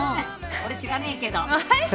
俺知らねえけど。